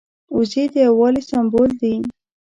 وزې د یو والي سمبول دي